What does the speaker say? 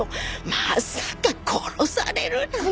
まさか殺されるなんて。